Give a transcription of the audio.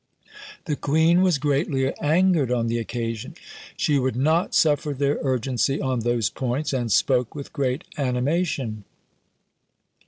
The queen was greatly angered on the occasion; she would not suffer their urgency on those points, and spoke with great animation.